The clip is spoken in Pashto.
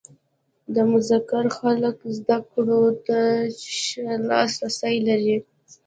د مرکز خلک زده کړو ته ښه لاس رسی لري.